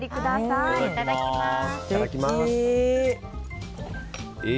いただきます。